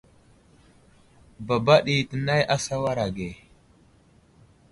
Baba ɗi tənay a sawaray age.